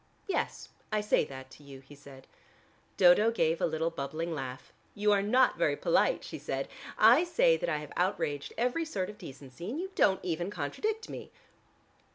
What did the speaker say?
"Yes, I say that to you," he said. Dodo gave a little bubbling laugh. "You are not very polite," she said. "I say that I have outraged every sort of decency and you don't even contradict me."